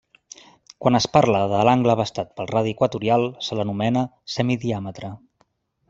Quan es parla de l'angle abastat pel radi equatorial, se l'anomena semidiàmetre.